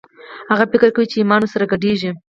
هغه فکر چې ایمان ور سره ګډېږي